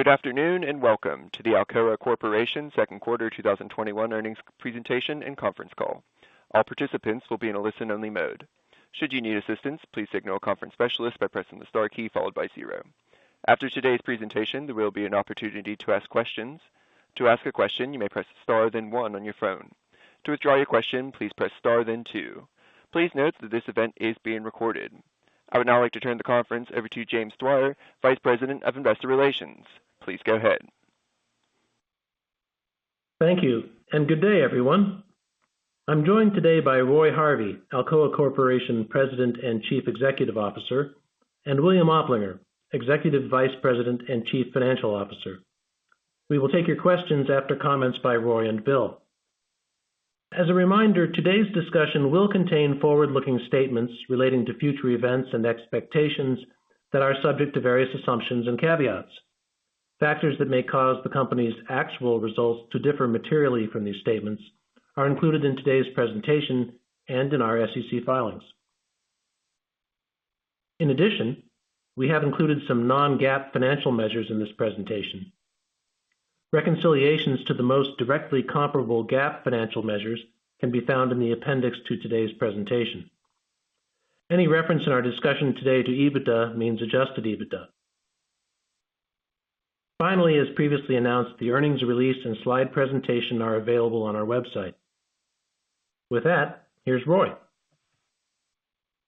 Good afternoon, and welcome to the Alcoa Corporation Q2 2021 earnings Presentation and Conference Call. I would now like to turn the conference over to James Dwyer, Vice President of Investor Relations. Please go ahead. Thank you, good day, everyone. I'm joined today by Roy Harvey, Alcoa Corporation President and Chief Executive Officer, and William Oplinger, Executive Vice President and Chief Financial Officer. We will take your questions after comments by Roy and Bill. As a reminder, today's discussion will contain forward-looking statements relating to future events and expectations that are subject to various assumptions and caveats. Factors that may cause the company's actual results to differ materially from these statements are included in today's presentation and in our SEC filings. In addition, we have included some non-GAAP financial measures in this presentation. Reconciliations to the most directly comparable GAAP financial measures can be found in the appendix to today's presentation. Any reference in our discussion today to EBITDA means adjusted EBITDA. Finally, as previously announced, the earnings release and slide presentation are available on our website. With that, here's Roy.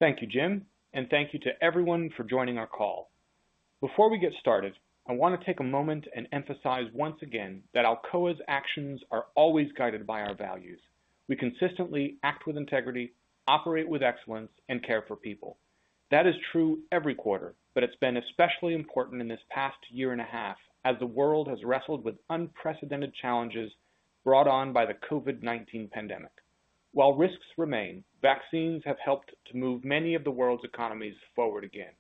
Thank you, Jim, and thank you to everyone for joining our call. Before we get started, I want to take a moment and emphasize once again that Alcoa's actions are always guided by our values. We consistently act with integrity, operate with excellence, and care for people. That is true every quarter, but it's been especially important in this past one and a half years as the world has wrestled with unprecedented challenges brought on by the COVID-19 pandemic. While risks remain, vaccines have helped to move many of the world's economies forward again.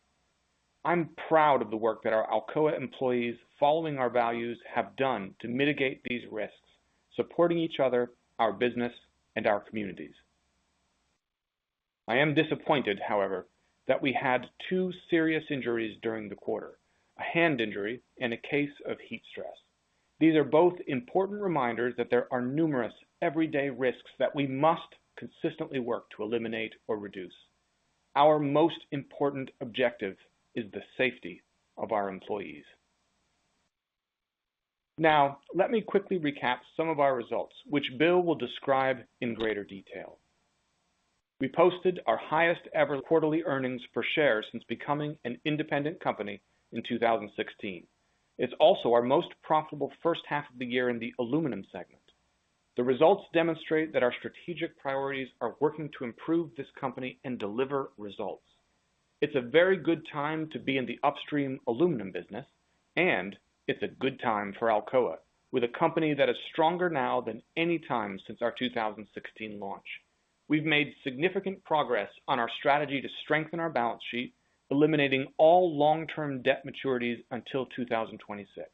I'm proud of the work that our Alcoa employees, following our values, have done to mitigate these risks, supporting each other, our business, and our communities. I am disappointed, however, that we had two serious injuries during the quarter, a hand injury and a case of heat stress. These are both important reminders that there are numerous everyday risks that we must consistently work to eliminate or reduce. Our most important objective is the safety of our employees. Now, let me quickly recap some of our results, which Bill will describe in greater detail. We posted our highest-ever quarterly earnings per share since becoming an independent company in 2016. It's also our most profitable H1 of the year in the aluminum segment. The results demonstrate that our strategic priorities are working to improve this company and deliver results. It's a very good time to be in the upstream aluminum business, and it's a good time for Alcoa, with a company that is stronger now than any time since our 2016 launch. We've made significant progress on our strategy to strengthen our balance sheet, eliminating all long-term debt maturities until 2026.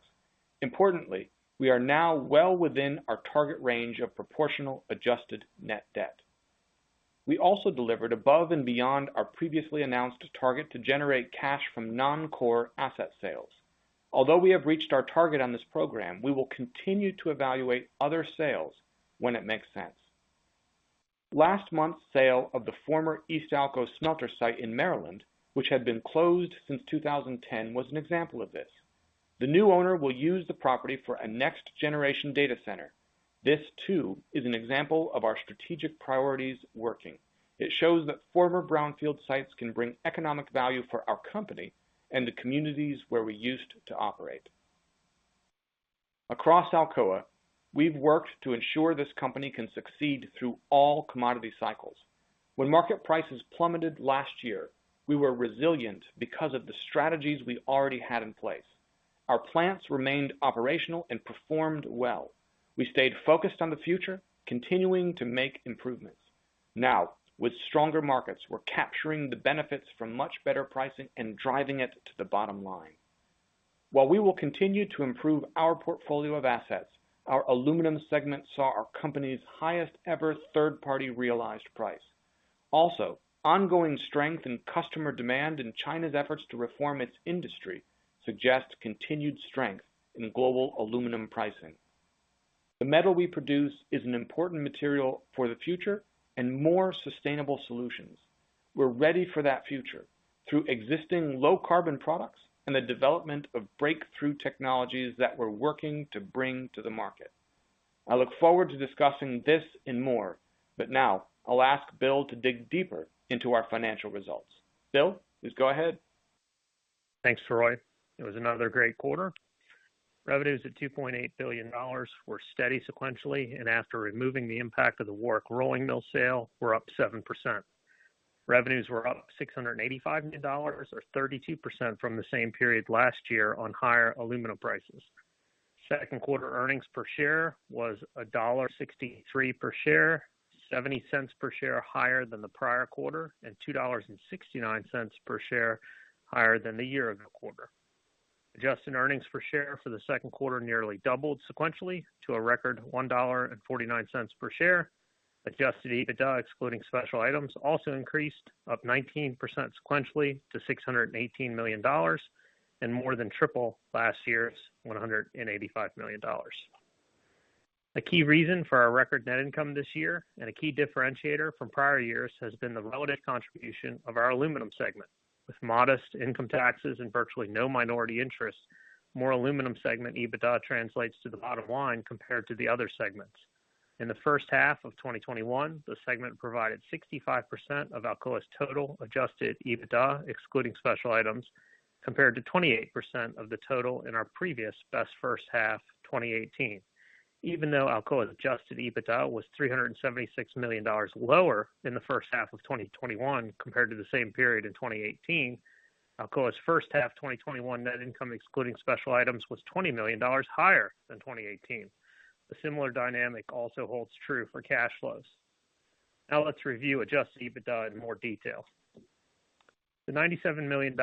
Importantly, we are now well within our target range of proportional adjusted net debt. We also delivered above and beyond our previously announced target to generate cash from non-core asset sales. Although we have reached our target on this program, we will continue to evaluate other sales when it makes sense. Last month's sale of the former Eastalco smelter site in Maryland, which had been closed since 2010, was an example of this. The new owner will use the property for a next-generation data center. This, too, is an example of our strategic priorities working. It shows that former brownfield sites can bring economic value for our company and the communities where we used to operate. Across Alcoa, we've worked to ensure this company can succeed through all commodity cycles. When market prices plummeted last year, we were resilient because of the strategies we already had in place. Our plants remained operational and performed well. We stayed focused on the future, continuing to make improvements. Now, with stronger markets, we're capturing the benefits from much better pricing and driving it to the bottom line. While we will continue to improve our portfolio of assets, our aluminum segment saw our company's highest-ever third-party realized price. Also, ongoing strength in customer demand and China's efforts to reform its industry suggests continued strength in global aluminum pricing. The metal we produce is an important material for the future and more sustainable solutions. We're ready for that future through existing low-carbon products and the development of breakthrough technologies that we're working to bring to the market. I look forward to discussing this and more, but now I'll ask Bill to dig deeper into our financial results. Bill, please go ahead. Thanks, Roy. It was another great quarter. Revenues at $2.8 billion were steady sequentially and after removing the impact of the Warrick Rolling Mill sale, we're up 7%. Revenues were up $685 million or 32% from the same period last year on higher aluminum prices. Q2 earnings per share was $1.63 per share, $0.70 per share higher than the prior quarter and $2.69 per share higher than the year ago quarter. Adjusted earnings per share for the Q2 nearly doubled sequentially to a record $1.49 per share. Adjusted EBITDA excluding special items also increased up 19% sequentially to $618 million and more than triple last year's $185 million. A key reason for our record net income this year and a key differentiator from prior years has been the relative contribution of our Aluminum segment. With modest income taxes and virtually no minority interest, more Aluminum segment EBITDA translates to the bottom line compared to the other segments. In the H1 of 2021, the segment provided 65% of Alcoa's total adjusted EBITDA, excluding special items, compared to 28% of the total in our previous best H1 2018. Even though Alcoa's adjusted EBITDA was $376 million lower than the H1 of 2021 compared to the same period in 2018, Alcoa's H1 2021 net income, excluding special items, was $20 million higher than 2018. A similar dynamic also holds true for cash flows. Now let's review adjusted EBITDA in more detail. The $97 million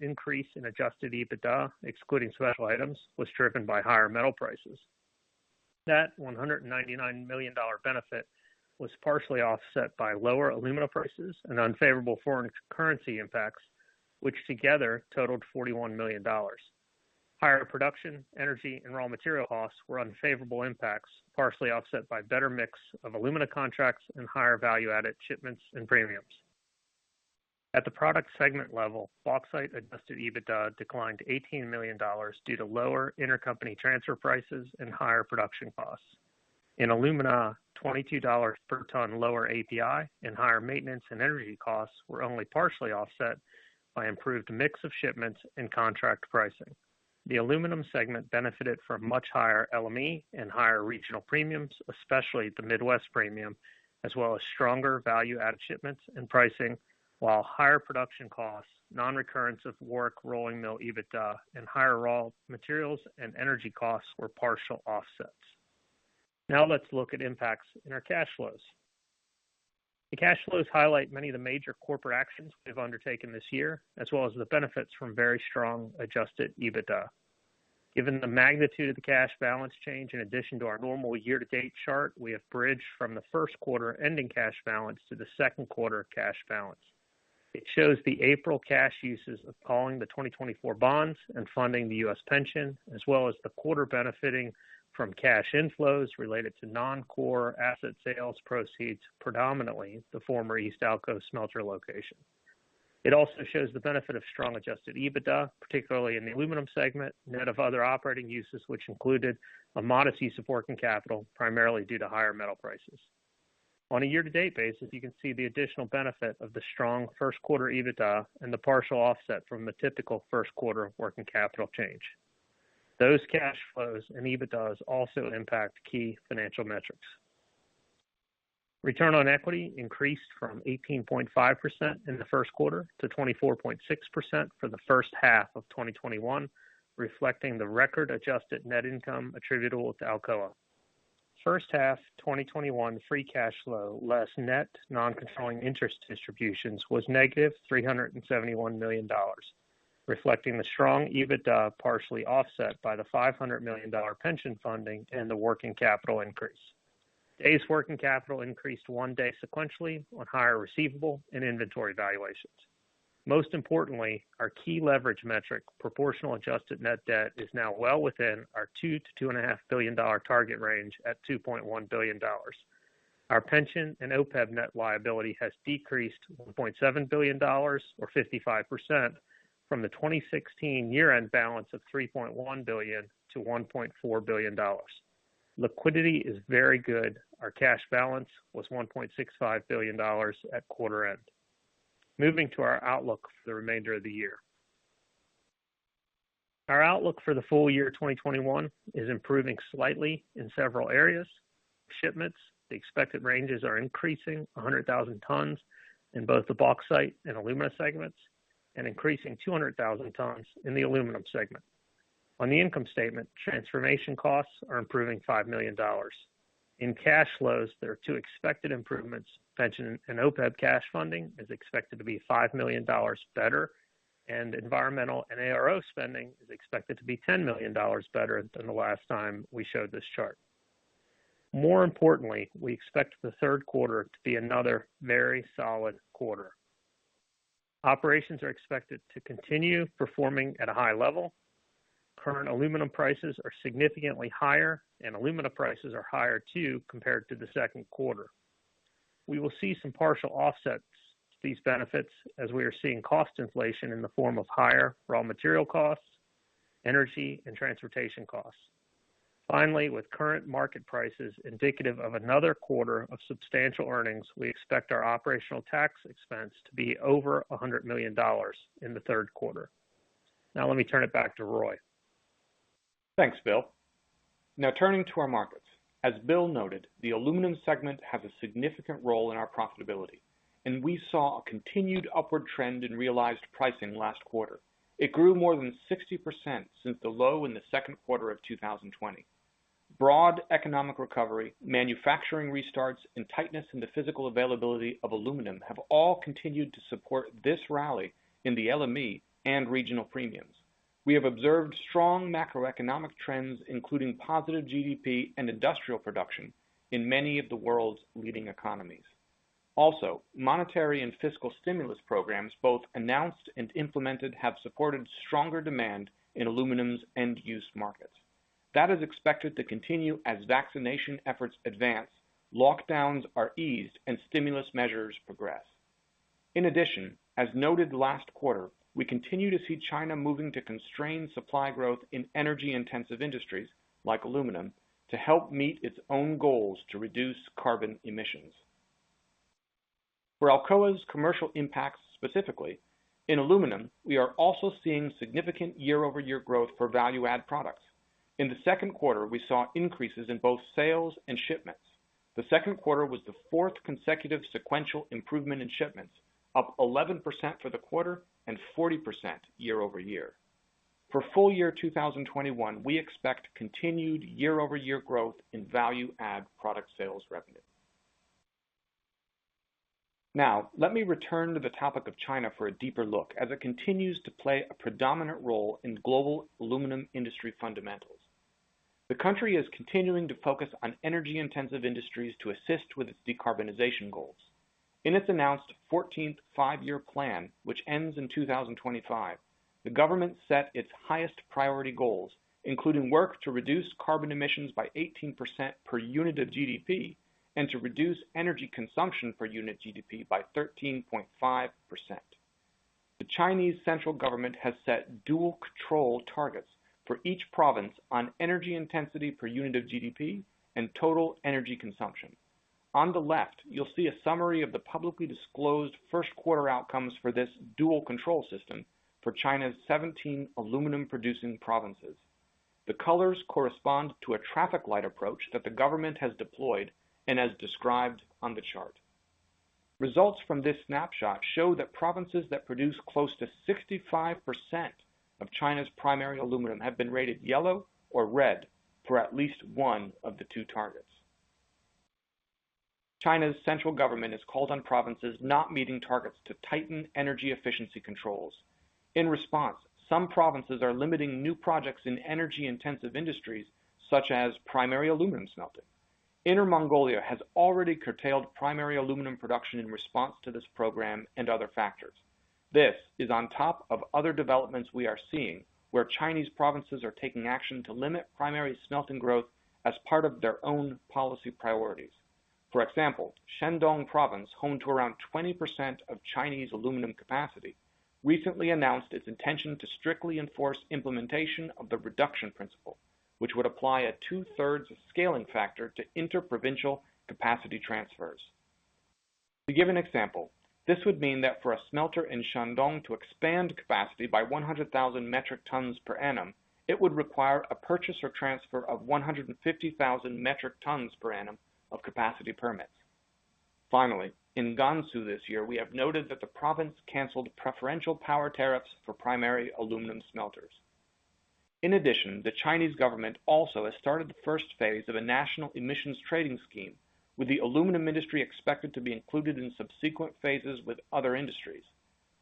increase in adjusted EBITDA, excluding special items, was driven by higher metal prices. That $199 million benefit was partially offset by lower alumina prices and unfavorable foreign currency impacts, which together totaled $41 million. Higher production, energy, and raw material costs were unfavorable impacts, partially offset by better mix of alumina contracts and higher value-added shipments and premiums. At the product segment level, Bauxite adjusted EBITDA declined to $18 million due to lower intercompany transfer prices and higher production costs. In Alumina, $22 per ton lower API and higher maintenance and energy costs were only partially offset by improved mix of shipments and contract pricing. The Aluminum segment benefited from much higher LME and higher regional premiums, especially the Midwest premium, as well as stronger value-added shipments and pricing, while higher production costs, non-recurrence of Warrick Rolling Mill EBITDA, and higher raw materials and energy costs were partial offsets. Let's look at impacts in our cash flows. The cash flows highlight many of the major corporate actions we've undertaken this year, as well as the benefits from very strong adjusted EBITDA. Given the magnitude of the cash balance change, in addition to our normal year-to-date chart, we have bridged from the Q1 ending cash balance to the Q2 cash balance. It shows the April cash uses of calling the 2024 bonds and funding the US pension, as well as the quarter benefiting from cash inflows related to non-core asset sales proceeds, predominantly the former East Alcoa smelter location. It also shows the benefit of strong adjusted EBITDA, particularly in the Aluminum segment, net of other operating uses, which included a modest use of working capital, primarily due to higher metal prices. On a year-to-date basis, you can see the additional benefit of the strong Q1 EBITDA and the partial offset from the typical Q1 working capital change. Those cash flows and EBITDAs also impact key financial metrics. Return on equity increased from 18.5% in the Q1 to 24.6% for the H1 of 2021, reflecting the record adjusted net income attributable to Alcoa. H1 2021 free cash flow, less net non-controlling interest distributions was negative $371 million, reflecting the strong EBITDA, partially offset by the $500 million pension funding and the working capital increase. Days working capital increased one day sequentially on higher receivable and inventory valuations. Most importantly, our key leverage metric, proportional adjusted net debt, is now well within our $2 billion-$2.5 billion target range at $2.1 billion. Our pension and OPEB net liability has decreased $1.7 billion, or 55%, from the 2016 year-end balance of $3.1 billion to $1.4 billion. Liquidity is very good. Our cash balance was $1.65 billion at quarter end. Moving to our outlook for the remainder of the year. Our outlook for the full year 2021 is improving slightly in several areas. Shipments, the expected ranges are increasing 100,000 tons in both the Bauxite and Alumina segments, and increasing 200,000 tons in the Aluminum segment. On the income statement, transformation costs are improving $5 million. In cash flows, there are 2 expected improvements. Pension and OPEB cash funding is expected to be $5 million better, and environmental and ARO spending is expected to be $10 million better than the last time we showed this chart. More importantly, we expect the Q3 to be another very solid quarter. Operations are expected to continue performing at a high level. Current aluminum prices are significantly higher, and alumina prices are higher too compared to the Q2. We will see some partial offsets to these benefits as we are seeing cost inflation in the form of higher raw material costs, energy, and transportation costs. Finally, with current market prices indicative of another quarter of substantial earnings, we expect our operational tax expense to be over $100 million in the Q3. Now, let me turn it back to Roy. Thanks, Bill. Now turning to our markets. As Bill noted, the Aluminum Segment has a significant role in our profitability, and we saw a continued upward trend in realized pricing last quarter. It grew more than 60% since the low in the Q2 of 2020. Broad economic recovery, manufacturing restarts, and tightness in the physical availability of aluminum have all continued to support this rally in the LME and regional premiums. We have observed strong macroeconomic trends, including positive GDP and industrial production in many of the world's leading economies. Monetary and fiscal stimulus programs, both announced and implemented, have supported stronger demand in aluminum's end-use markets. That is expected to continue as vaccination efforts advance, lockdowns are eased, and stimulus measures progress. In addition, as noted last quarter, we continue to see China moving to constrain supply growth in energy-intensive industries, like aluminum, to help meet its own goals to reduce carbon emissions. For Alcoa's commercial impacts specifically, in aluminum, we are also seeing significant year-over-year growth for value-add products. In the Q2, we saw increases in both sales and shipments. The Q2 was the fourth consecutive sequential improvement in shipments, up 11% for the quarter and 40% year-over-year. For full year 2021, we expect continued year-over-year growth in value-add product sales revenue. Now, let me return to the topic of China for a deeper look, as it continues to play a predominant role in global aluminum industry fundamentals. The country is continuing to focus on energy-intensive industries to assist with its decarbonization goals. In its announced 14th Five-Year Plan, which ends in 2025, the government set its highest priority goals, including work to reduce carbon emissions by 18% per unit of GDP and to reduce energy consumption per unit GDP by 13.5%. The Chinese central government has set dual control targets for each province on energy intensity per unit of GDP and total energy consumption. On the left, you'll see a summary of the publicly disclosed first-quarter outcomes for this dual control system for China's 17 aluminum-producing provinces. The colors correspond to a traffic light approach that the government has deployed and as described on the chart. Results from this snapshot show that provinces that produce close to 65% of China's primary aluminum have been rated yellow or red for at least one of the two targets. China's central government has called on provinces not meeting targets to tighten energy efficiency controls. In response, some provinces are limiting new projects in energy-intensive industries, such as primary aluminum smelting. Inner Mongolia has already curtailed primary aluminum production in response to this program and other factors. This is on top of other developments we are seeing where Chinese provinces are taking action to limit primary smelting growth as part of their own policy priorities. For example, Shandong Province, home to around 20% of Chinese aluminum capacity, recently announced its intention to strictly enforce implementation of the reduction principle, which would apply a two-thirds scaling factor to inter-provincial capacity transfers. To give an example, this would mean that for a smelter in Shandong to expand capacity by 100,000 metric tons per annum, it would require a purchase or transfer of 150,000 metric tons per annum of capacity permits. Finally, in Gansu this year, we have noted that the province canceled preferential power tariffs for primary aluminum smelters. In addition, the Chinese government also has started the 1st phase of a National Emissions Trading Scheme, with the aluminum industry expected to be included in subsequent phases with other industries.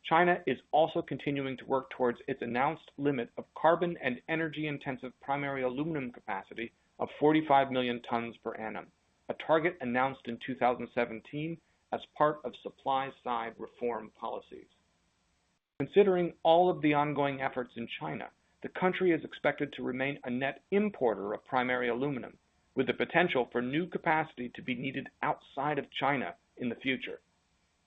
China is also continuing to work towards its announced limit of carbon and energy-intensive primary aluminum capacity of 45 million tons per annum, a target announced in 2017 as part of supply-side reform policies. Considering all of the ongoing efforts in China, the country is expected to remain a net importer of primary aluminum, with the potential for new capacity to be needed outside of China in the future.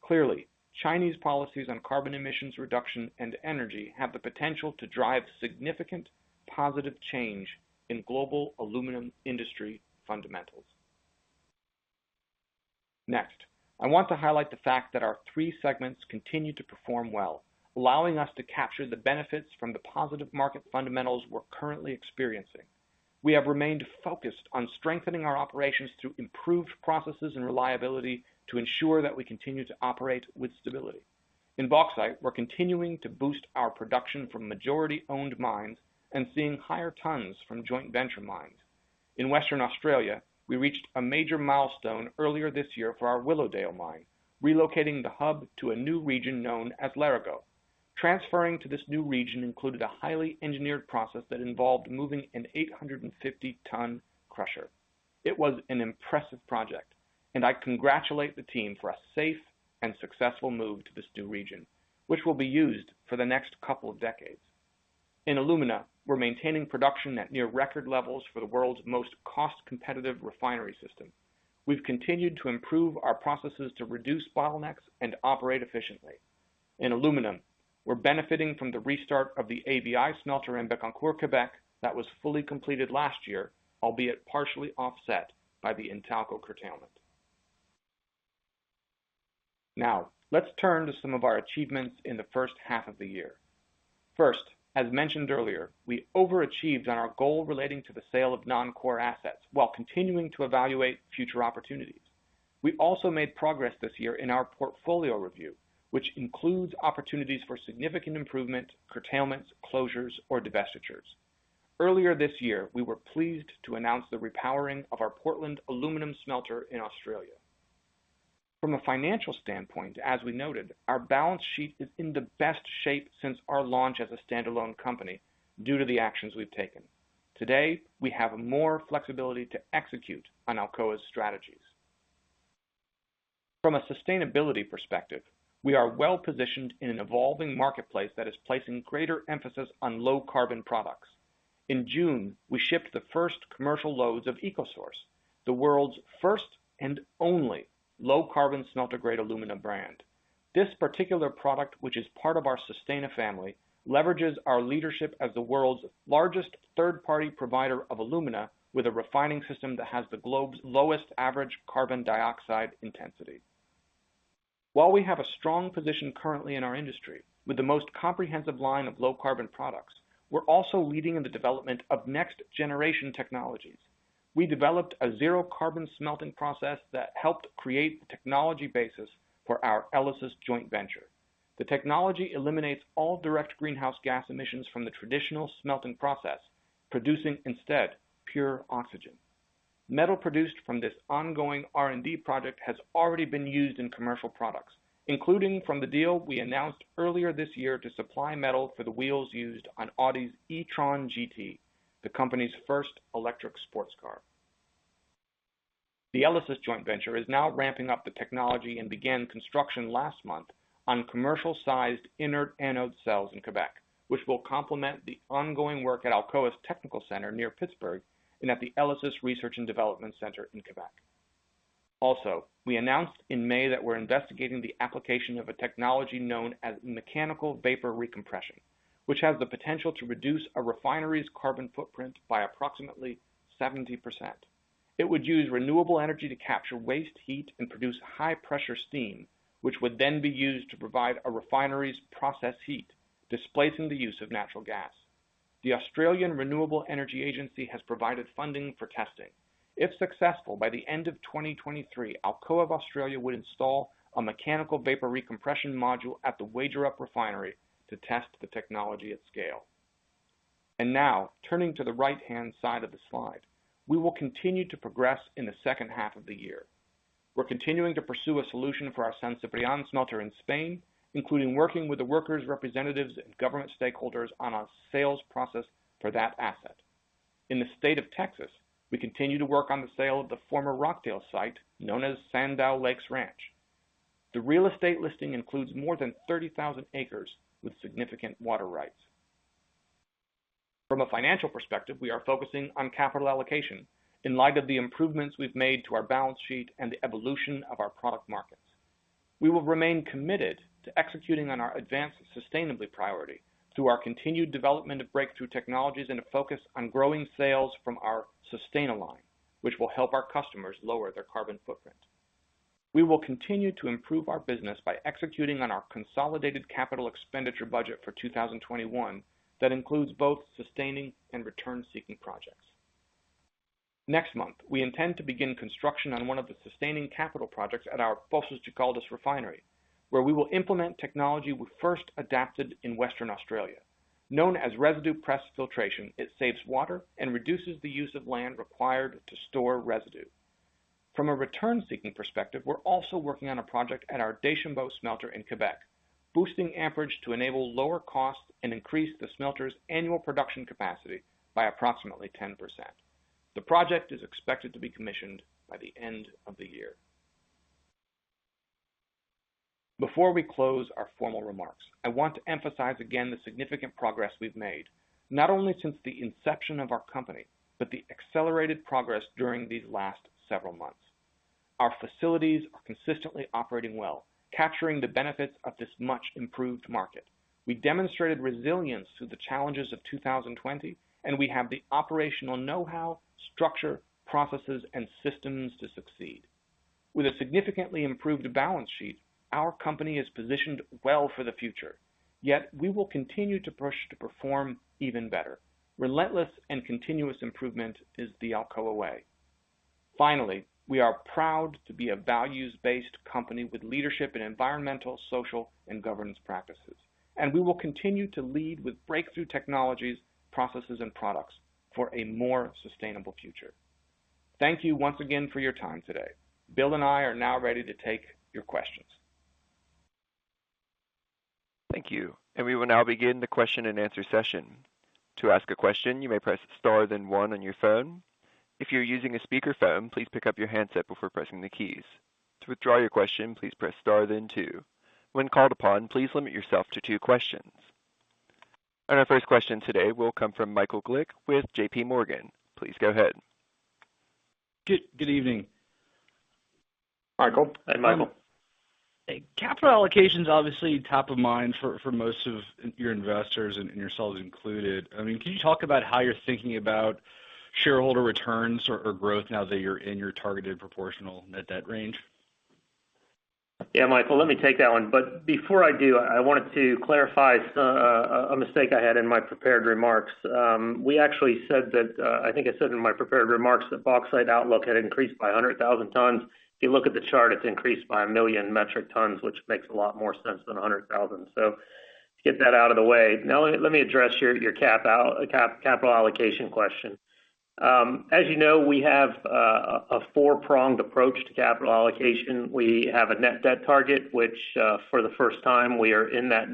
Clearly, Chinese policies on carbon emissions reduction and energy have the potential to drive significant positive change in global aluminum industry fundamentals. Next, I want to highlight the fact that our 3 segments continue to perform well, allowing us to capture the benefits from the positive market fundamentals we're currently experiencing. We have remained focused on strengthening our operations through improved processes and reliability to ensure that we continue to operate with stability. In bauxite, we're continuing to boost our production from majority-owned mines and seeing higher tons from joint venture mines. In Western Australia, we reached a major milestone earlier this year for our Willowdale mine, relocating the hub to a new region known as Larego. Transferring to this new region included a highly engineered process that involved moving an 850-ton crusher. It was an impressive project, and I congratulate the team for a safe and successful move to this new region, which will be used for the next couple of decades. In alumina, we're maintaining production at near record levels for the world's most cost-competitive refinery system. We've continued to improve our processes to reduce bottlenecks and operate efficiently. In aluminum, we're benefiting from the restart of the ABI smelter in Bécancour, Quebec, that was fully completed last year, albeit partially offset by the Intalco curtailment. Let's turn to some of our achievements in the H1 of the year. First, as mentioned earlier, we overachieved on our goal relating to the sale of non-core assets while continuing to evaluate future opportunities. We also made progress this year in our portfolio review, which includes opportunities for significant improvement, curtailments, closures, or divestitures. Earlier this year, we were pleased to announce the repowering of our Portland aluminum smelter in Australia. From a financial standpoint, as we noted, our balance sheet is in the best shape since our launch as a standalone company due to the actions we've taken. Today, we have more flexibility to execute on Alcoa's strategies. From a sustainability perspective, we are well-positioned in an evolving marketplace that is placing greater emphasis on low-carbon products. In June, we shipped the first commercial loads of EcoSource, the world's first and only low-carbon smelter-grade alumina brand. This particular product, which is part of our Sustana family, leverages our leadership as the world's largest third-party provider of alumina with a refining system that has the globe's lowest average carbon dioxide intensity. While we have a strong position currently in our industry with the most comprehensive line of low-carbon products, we're also leading in the development of next-generation technologies. We developed a zero-carbon smelting process that helped create the technology basis for our ELYSIS joint venture. The technology eliminates all direct greenhouse gas emissions from the traditional smelting process, producing instead pure oxygen. Metal produced from this ongoing R&D project has already been used in commercial products, including from the deal we announced earlier this year to supply metal for the wheels used on Audi's e-tron GT, the company's first electric sports car. The ELYSIS joint venture is now ramping up the technology and began construction last month on commercial-sized inert anode cells in Quebec, which will complement the ongoing work at Alcoa's technical center near Pittsburgh and at the ELYSIS Research and Development Center in Quebec. We announced in May that we're investigating the application of a technology known as mechanical vapor recompression, which has the potential to reduce a refinery's carbon footprint by approximately 70%. It would use renewable energy to capture waste heat and produce high-pressure steam, which would then be used to provide a refinery's process heat, displacing the use of natural gas. The Australian Renewable Energy Agency has provided funding for testing. If successful, by the end of 2023, Alcoa of Australia would install a mechanical vapor recompression module at the Wagerup Refinery to test the technology at scale. Now turning to the right-hand side of the slide. We will continue to progress in the H2 of the year. We're continuing to pursue a solution for our San Ciprián smelter in Spain, including working with the workers' representatives and government stakeholders on a sales process for that asset. In the state of Texas, we continue to work on the sale of the former Rockdale site known as Sandow Lakes Ranch. The real estate listing includes more than 30,000 acres with significant water rights. From a financial perspective, we are focusing on capital allocation in light of the improvements we've made to our balance sheet and the evolution of our product markets. We will remain committed to executing on our advance sustainably priority through our continued development of breakthrough technologies and a focus on growing sales from our Sustana line, which will help our customers lower their carbon footprint. We will continue to improve our business by executing on our consolidated capital expenditure budget for 2021 that includes both sustaining and return-seeking projects. Next month, we intend to begin construction on one of the sustaining capital projects at our Fosses Jacaldes refinery, where we will implement technology we first adapted in Western Australia. Known as residue press filtration, it saves water and reduces the use of land required to store residue. From a return-seeking perspective, we are also working on a project at our Deschambault smelter in Quebec, boosting amperage to enable lower costs and increase the smelter's annual production capacity by approximately 10%. The project is expected to be commissioned by the end of the year. Before we close our formal remarks, I want to emphasize again the significant progress we have made, not only since the inception of our company, but the accelerated progress during these last several months. Our facilities are consistently operating well, capturing the benefits of this much-improved market. We demonstrated resilience through the challenges of 2020, and we have the operational know-how, structure, processes, and systems to succeed. With a significantly improved balance sheet, our company is positioned well for the future, yet we will continue to push to perform even better. Relentless and continuous improvement is the Alcoa way. Finally, we are proud to be a values-based company with leadership in environmental, social, and governance practices, and we will continue to lead with breakthrough technologies, processes, and products for a more sustainable future. Thank you once again for your time today. Bill and I are now ready to take your questions. Thank you. We will now begin the Q&A session. When called upon, please limit yourself to two questions. Our first question today will come from Michael Glick with JPMorgan. Please go ahead. Good evening. Michael? Hi, Michael. Capital allocation's obviously top of mind for most of your investors and yourselves included. Can you talk about how you're thinking about shareholder returns or growth now that you're in your targeted proportional net debt range? Yeah, Michael, let me take that one. Before I do, I wanted to clarify a mistake I had in my prepared remarks. We actually said that, I think I said in my prepared remarks that bauxite outlook had increased by 100,000 tons. If you look at the chart, it's increased by 1 million metric tons, which makes a lot more sense than 100,000. Let's get that out of the way. Let me address your capital allocation question. As you know, we have a four-pronged approach to capital allocation. We have a net debt target, which for the 1st time we are in that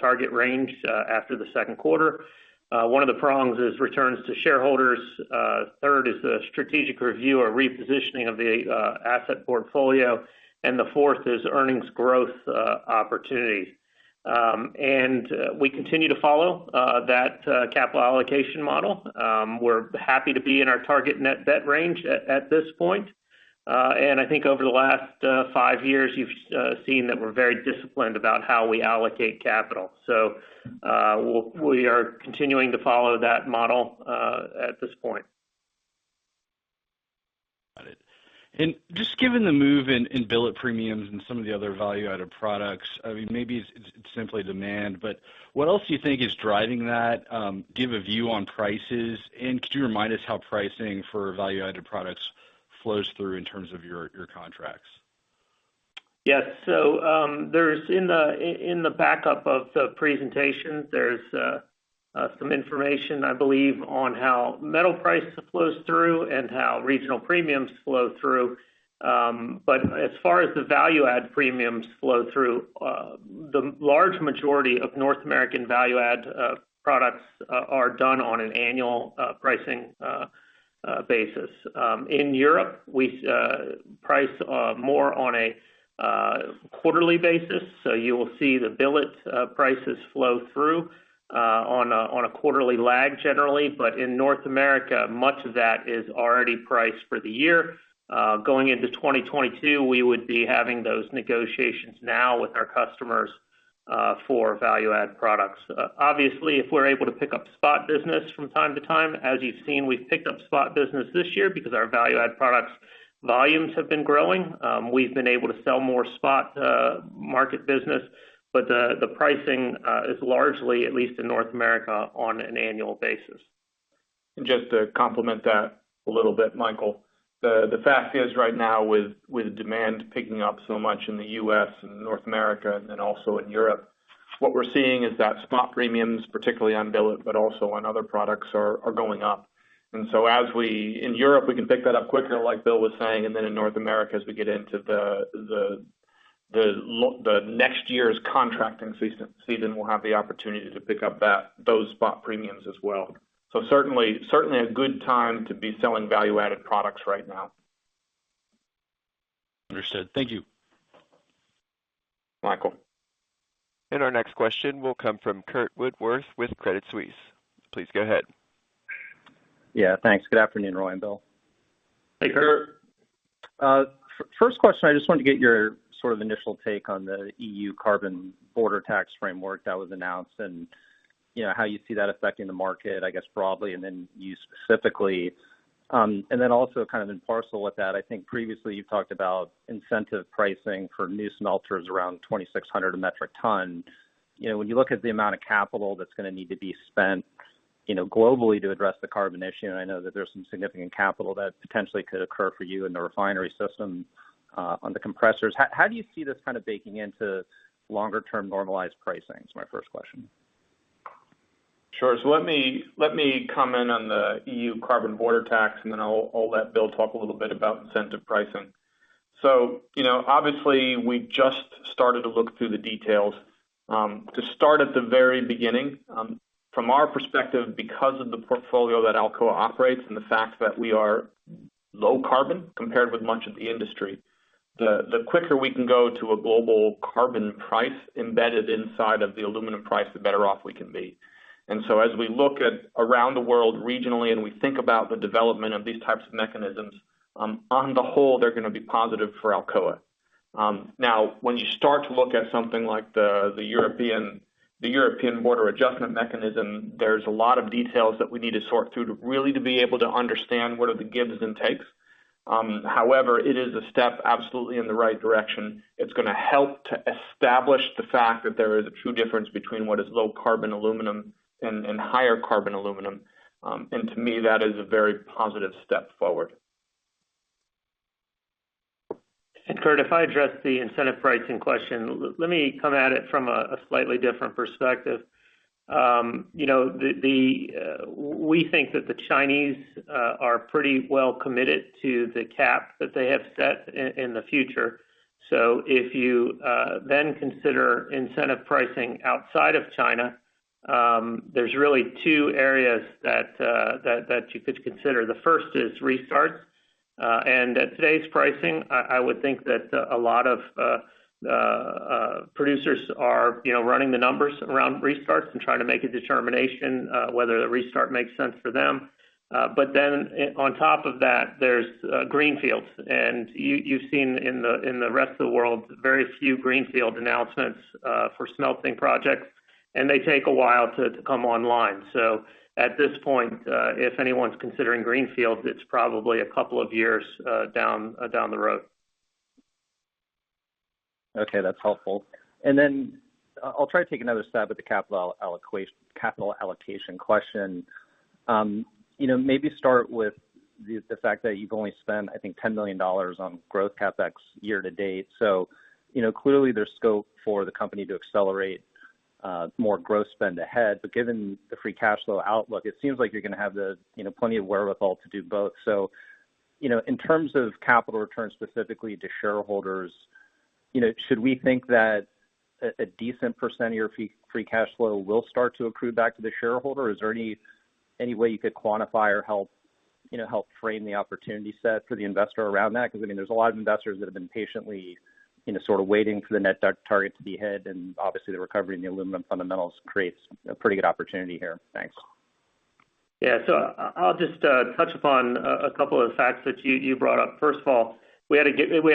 target range after the Q2. One of the prongs is returns to shareholders. Third is the strategic review or repositioning of the asset portfolio, and the fourthth is earnings growth opportunities. We continue to follow that capital allocation model. We're happy to be in our target net debt range at this point. I think over the last five years, you've seen that we're very disciplined about how we allocate capital. We are continuing to follow that model at this point. Got it. Just given the move in billet premiums and some of the other value-added products, maybe it's simply demand, but what else do you think is driving that? Do you have a view on prices? Could you remind us how pricing for value-added products flows through in terms of your contracts? Yes. In the backup of the presentation, there's some information, I believe, on how metal price flows through and how regional premiums flow through. As far as the value-add premiums flow through, the large majority of North American value-add products are done on an annual pricing basis. In Europe, we price more on a quarterly basis. You will see the billet prices flow through on a quarterly lag generally. In North America, much of that is already priced for the year. Going into 2022, we would be having those negotiations now with our customers for value-add products. Obviously, if we're able to pick up spot business from time to time, as you've seen, we've picked up spot business this year because our value-add products volumes have been growing. We've been able to sell more spot market business, but the pricing is largely, at least in North America, on an annual basis. Just to complement that a little bit, Michael, the fact is right now with demand picking up so much in the US and North America and also in Europe, what we're seeing is that spot premiums, particularly on billet, but also on other products, are going up. In Europe, we can pick that up quicker, like William was saying, in North America, as we get into the next year's contracting season, we'll have the opportunity to pick up those spot premiums as well. Certainly a good time to be selling value-added products right now. Understood. Thank you. Michael. Our next question will come from Curt Woodworth with Credit Suisse. Please go ahead. Yeah, thanks. Good afternoon, Roy and Bill. Hey, Curt. First question, I just wanted to get your sort of initial take on the EU carbon border tax framework that was announced, and how you see that affecting the market, I guess, broadly, and then you specifically. Also kind of in parallel with that, I think previously you've talked about incentive pricing for new smelters around $2,600 a metric ton. When you look at the amount of capital that's going to need to be spent globally to address the carbon issue, and I know that there's some significant capital that potentially could occur for you in the refinery system on the compressors. How do you see this kind of baking into longer-term normalized pricing, is my first question? Sure. Let me comment on the EU carbon border tax, and then I'll let Bill talk a little bit about incentive pricing. Obviously we just started to look through the details. To start at the very beginning, from our perspective, because of the portfolio that Alcoa operates and the fact that we are low carbon compared with much of the industry, the quicker we can go to a global carbon price embedded inside of the aluminum price, the better off we can be. As we look at around the world regionally and we think about the development of these types of mechanisms, on the whole, they're going to be positive for Alcoa. Now, when you start to look at something like the Carbon Border Adjustment Mechanism, there's a lot of details that we need to sort through to really be able to understand what are the gives and takes. However, it is a step absolutely in the right direction. It's going to help to establish the fact that there is a true difference between what is low carbon aluminum and higher carbon aluminum. To me, that is a very positive step forward. Curt, if I address the incentive pricing question, let me come at it from a slightly different perspective. We think that the Chinese are pretty well committed to the cap that they have set in the future. If you then consider incentive pricing outside of China, there's really two areas that you could consider. The first is restarts. At today's pricing, I would think that a lot of producers are running the numbers around restarts and trying to make a determination whether the restart makes sense for them. On top of that, there's greenfields. You've seen in the rest of the world, very few greenfield announcements for smelting projects, and they take a while to come online. At this point, if anyone's considering greenfields, it's probably a couple of years down the road. Okay, that's helpful. I'll try to take another stab at the capital allocation question. Maybe start with the fact that you've only spent, I think, $10 million on growth CapEx year to date. Clearly there's scope for the company to accelerate more gross spend ahead. Given the free cash flow outlook, it seems like you're going to have plenty of wherewithal to do both. In terms of capital returns specifically to shareholders, should we think that a decent perecent of your free cash flow will start to accrue back to the shareholder? Is there any way you could quantify or help frame the opportunity set for the investor around that? Because there's a lot of investors that have been patiently sort of waiting for the net debt target to be hit, and obviously the recovery in the aluminum fundamentals creates a pretty good opportunity here. Thanks. Yeah. I'll just touch upon a couple of the facts that you brought up. First of all, we had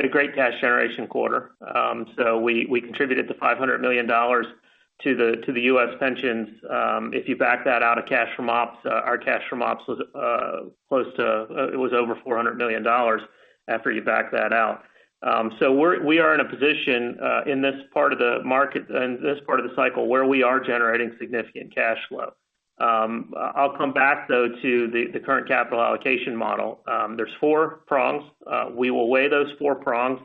a great cash generation quarter. We contributed the $500 million to the US pensions. If you back that out of cash from ops, our cash from ops was over $400 million after you back that out. We are in a position in this part of the cycle where we are generating significant cash flow. I'll come back, though, to the current capital allocation model. There's four prongs. We will weigh those four prongs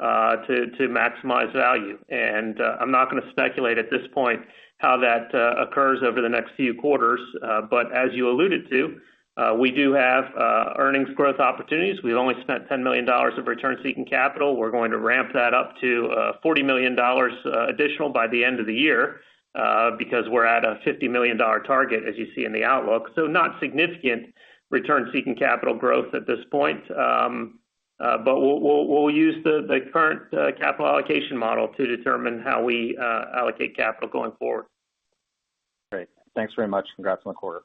to maximize value. I'm not going to speculate at this point how that occurs over the next few quarters. As you alluded to, we do have earnings growth opportunities. We've only spent $10 million of return-seeking capital. We're going to ramp that up to $40 million additional by the end of the year because we're at a $50 million target, as you see in the outlook. Not significant return-seeking capital growth at this point. We'll use the current capital allocation model to determine how we allocate capital going forward. Great. Thanks very much. Congrats on the quarter.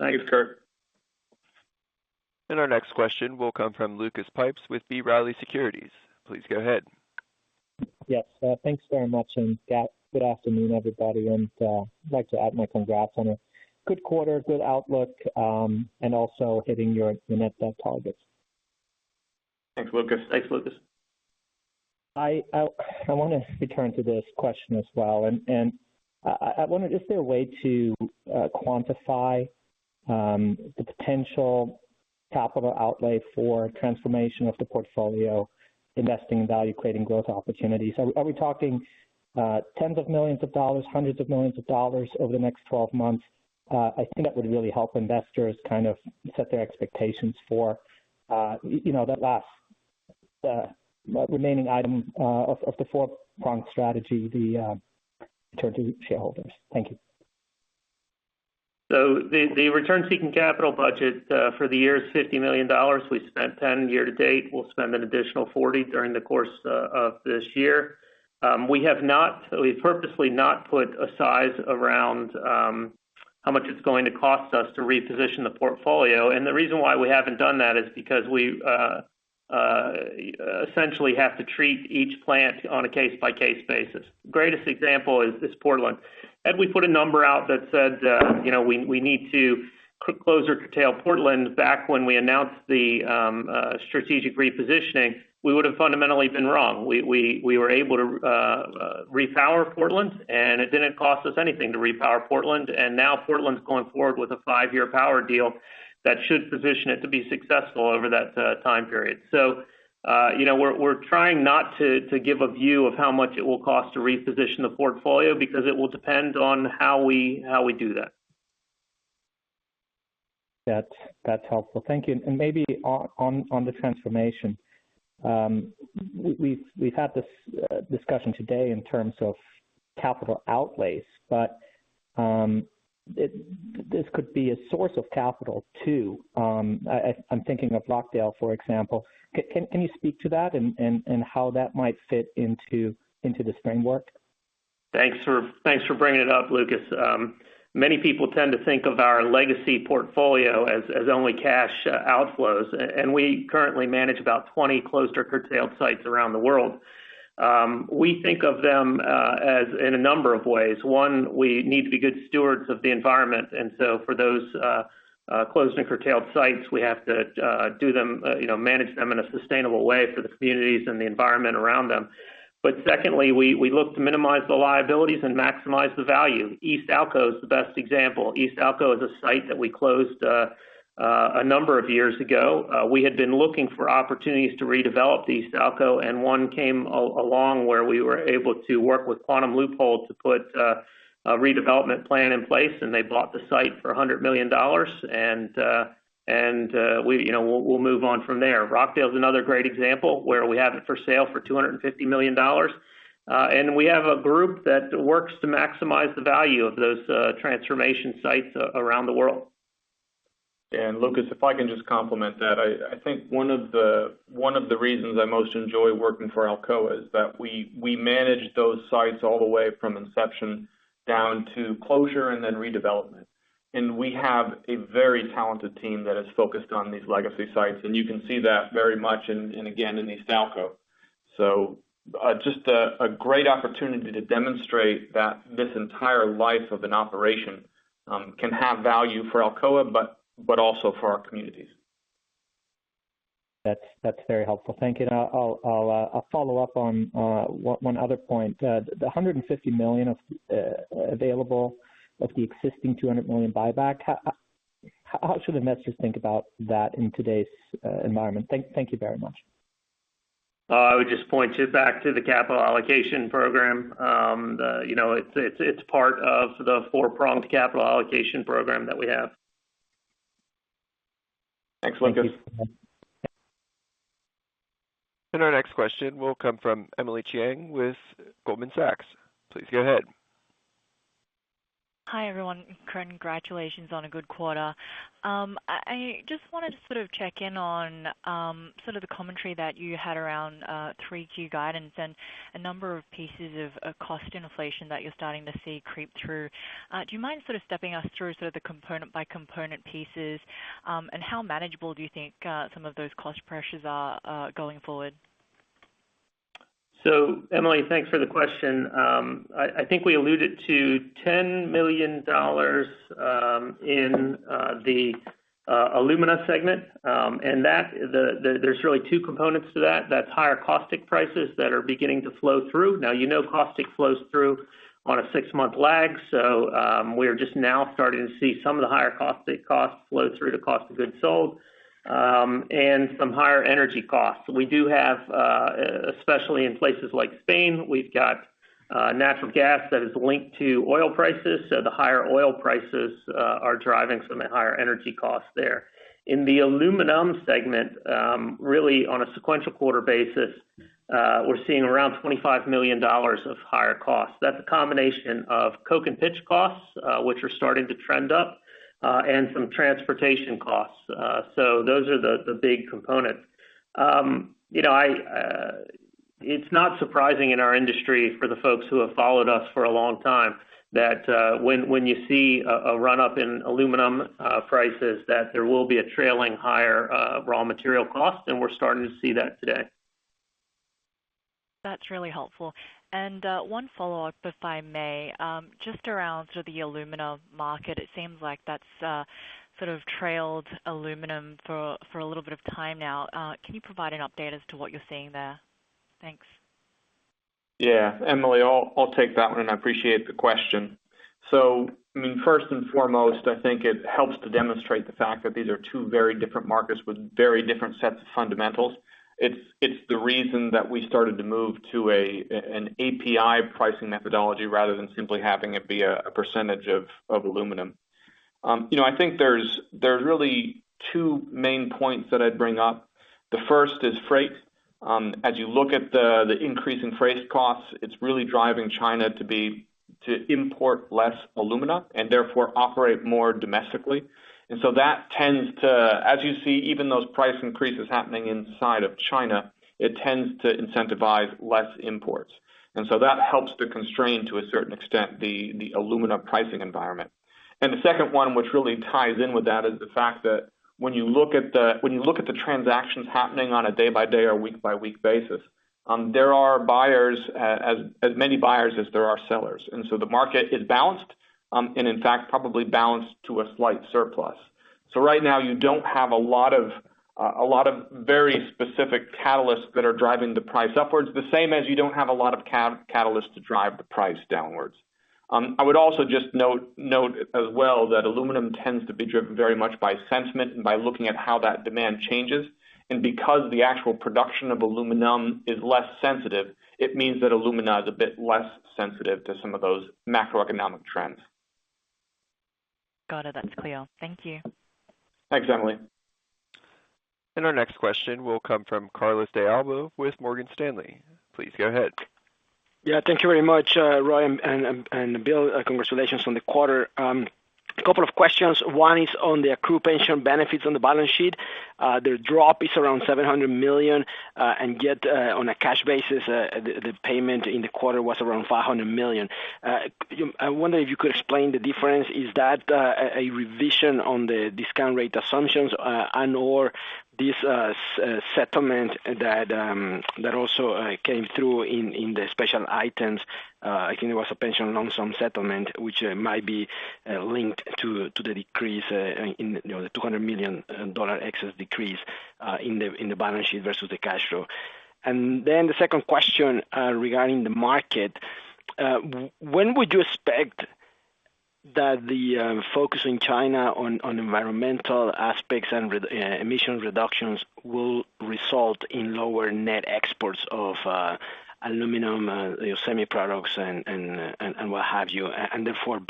Thank you. Thank you, Curt. Our next question will come from Lucas Pipes with B. Riley Securities. Please go ahead. Yes. Thanks very much, good afternoon, everybody. I'd like to add my congrats on a good quarter, good outlook, and also hitting your net debt targets. Thanks, Lucas. Thanks, Lucas. I want to return to this question as well, and I wonder, is there a way to quantify the potential capital outlay for transformation of the portfolio, investing in value-creating growth opportunities? Are we talking tens of millions of dollars, hundreds of millions of dollars over the next 12 months? I think that would really help investors kind of set their expectations for that last remaining item of the four-prong strategy, the return to shareholders. Thank you. The return-seeking capital budget for the year is $50 million. We've spent $10 million year to date. We'll spend an additional $40 million during the course of this year. We have purposely not put a size around how much it's going to cost us to reposition the portfolio. The reason why we haven't done that is because we essentially have to treat each plant on a case-by-case basis. Greatest example is Portland. Had we put a number out that said we need to close or curtail Portland back when we announced the strategic repositioning, we would've fundamentally been wrong. We were able to repower Portland, and it didn't cost us anything to repower Portland. Now Portland's going forward with a five-year power deal that should position it to be successful over that time period. We're trying not to give a view of how much it will cost to reposition the portfolio because it will depend on how we do that. That's helpful. Thank you. Maybe on the transformation. We've had this discussion today in terms of capital outlays, but this could be a source of capital too. I'm thinking of Rockdale, for example. Can you speak to that and how that might fit into this framework? Thanks for bringing it up, Lucas. Many people tend to think of our legacy portfolio as only cash outflows. We currently manage about 20 closed or curtailed sites around the world. We think of them in a number of ways. One, we need to be good stewards of the environment. For those closed and curtailed sites, we have to manage them in a sustainable way for the communities and the environment around them. Secondly, we look to minimize the liabilities and maximize the value. East Alcoa is the best example. East Alcoa is a site that we closed a number of years ago. We had been looking for opportunities to redevelop the East Alcoa. One came along where we were able to work with Quantum Loophole to put a redevelopment plan in place. They bought the site for $100 million. We'll move on from there. Rockdale is another great example where we have it for sale for $250 million. We have a group that works to maximize the value of those transformation sites around the world. Lucas, if I can just complement that. I think one of the reasons I most enjoy working for Alcoa is that we manage those sites all the way from inception down to closure and then redevelopment. We have a very talented team that is focused on these legacy sites, and you can see that very much again in East Alcoa. Just a great opportunity to demonstrate that this entire life of an operation can have value for Alcoa, but also for our communities. That's very helpful. Thank you. I'll follow up on one other point. The $150 million available of the existing $200 million buyback, how should investors think about that in today's environment? Thank you very much. I would just point you back to the capital allocation program. It's part of the four-pronged capital allocation program that we have. Thanks, Lucas Pipes. Our next question will come from Emily Chieng with Goldman Sachs. Please go ahead. Hi, everyone. Congratulations on a good quarter. I just wanted to sort of check in on the commentary that you had around Q3 guidance and a number of pieces of cost inflation that you're starting to see creep through. Do you mind sort of stepping us through the component by component pieces? How manageable do you think some of those cost pressures are going forward? Emily, thanks for the question. I think we alluded to $10 million in the alumina segment. There's really two components to that. That's higher caustic prices that are beginning to flow through. You know caustic flows through on a six-month lag. We're just now starting to see some of the higher caustic costs flow through the cost of goods sold, and some higher energy costs. We do have, especially in places like Spain, we've got natural gas that is linked to oil prices, so the higher oil prices are driving some of the higher energy costs there. In the aluminum segment, really on a sequential quarter basis, we're seeing around $25 million of higher costs. That's a combination of coke and pitch costs, which are starting to trend up, and some transportation costs. Those are the big components. It's not surprising in our industry for the folks who have followed us for a long time that when you see a run-up in aluminum prices, that there will be a trailing higher raw material cost, and we're starting to see that today. That's really helpful. One follow-up, if I may, just around sort of the alumina market. It seems like that's sort of trailed aluminum for a little bit of time now. Can you provide an update as to what you're seeing there? Thanks. Yeah. Emily, I'll take that one. I appreciate the question. First and foremost, I think it helps to demonstrate the fact that these are two very different markets with two very different sets of fundamentals. It's the reason that we started to move to an API pricing methodology rather than simply having it be a percentage of aluminum. I think there's really two main points that I'd bring up. The first is freight. As you look at the increase in freight costs, it's really driving China to import less alumina and therefore operate more domestically. That tends to, as you see, even those price increases happening inside of China, it tends to incentivize less imports. That helps to constrain, to a certain extent, the alumina pricing environment. The second one, which really ties in with that, is the fact that when you look at the transactions happening on a day-by-day or week-by-week basis, there are as many buyers as there are sellers. The market is balanced, and in fact, probably balanced to a slight surplus. Right now, you don't have a lot of very specific catalysts that are driving the price upwards, the same as you don't have a lot of catalysts to drive the price downwards. I would also just note as well, that aluminum tends to be driven very much by sentiment and by looking at how that demand changes. Because the actual production of aluminum is less sensitive, it means that alumina is a bit less sensitive to some of those macroeconomic trends. Got it. That's clear. Thank you. Thanks, Emily. Our next question will come from Carlos de Alba with Morgan Stanley. Please go ahead. Thank you very much, Roy and Bill. Congratulations on the quarter. A couple of questions. One is on the accrued pension benefits on the balance sheet. The drop is around $700 million, yet, on a cash basis, the payment in the quarter was around $500 million. I wonder if you could explain the difference. Is that a revision on the discount rate assumptions and/or this settlement that also came through in the special items? I think there was a pension lump sum settlement, which might be linked to the decrease in the $200 million excess decrease in the balance sheet versus the cash flow. The second question regarding the market, when would you expect that the focus in China on environmental aspects and emission reductions will result in lower net exports of aluminum semi products and what have you, and therefore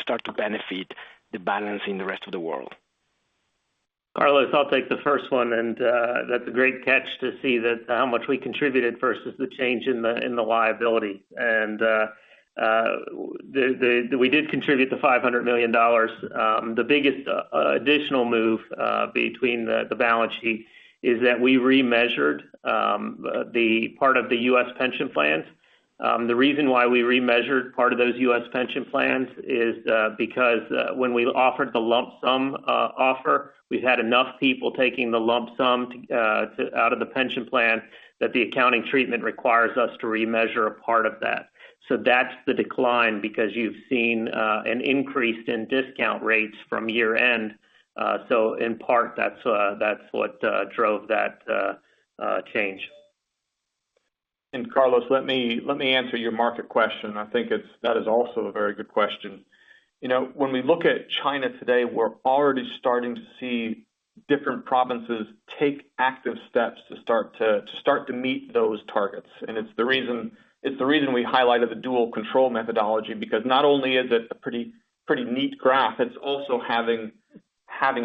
start to benefit the balance in the rest of the world? Carlos, I'll take the first one, that's a great catch to see how much we contributed versus the change in the liability. We did contribute the $500 million. The biggest additional move between the balance sheet is that we remeasured the part of the US pension plans. The reason why we remeasured part of those US pension plans is because when we offered the lump sum offer, we've had enough people taking the lump sum out of the pension plan that the accounting treatment requires us to remeasure a part of that. That's the decline, because you've seen an increase in discount rates from year-end. In part, that's what drove that change. Carlos, let me answer your market question. I think that is also a very good question. When we look at China today, we're already starting to see different provinces take active steps to start to meet those targets. It's the reason we highlighted the dual control methodology, because not only is it a pretty neat graph, it's also having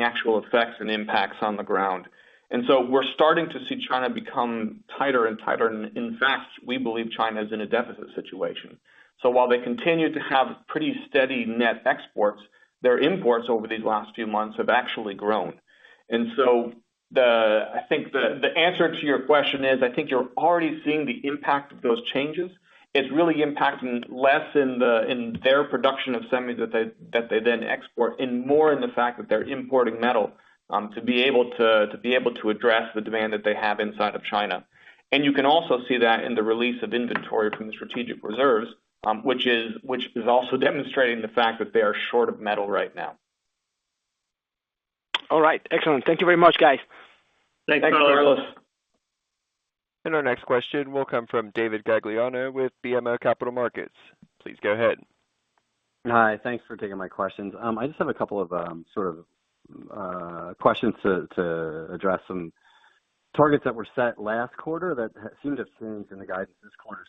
actual effects and impacts on the ground. We're starting to see China become tighter and tighter. In fact, we believe China is in a deficit situation. While they continue to have pretty steady net exports, their imports over these last few months have actually grown. I think the answer to your question is, I think you're already seeing the impact of those changes. It's really impacting less in their production of semis that they then export in more in the fact that they're importing metal, to be able to address the demand that they have inside of China. You can also see that in the release of inventory from the strategic reserves, which is also demonstrating the fact that they are short of metal right now. All right. Excellent. Thank you very much, guys. Thanks, Carlos. Our next question will come from David Gagliano with BMO Capital Markets. Please go ahead. Hi. Thanks for taking my questions. I just have a couple of questions to address some targets that were set last quarter that seemed to have changed in the guidance this quarter.